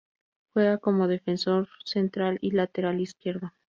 Juega como defensor central y lateral izquierdo.